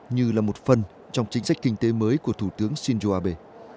như là một phần trong chính sách kinh tế mới của thủ tướng shinzo abe